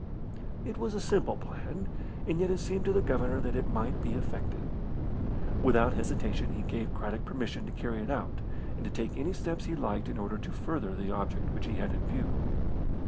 It was a simple plan, and yet it seemed to the Governor that it might be effective. Without hesitation he gave Craddock permission to carry it out, and to take any steps he liked in order to further the object which he had in view.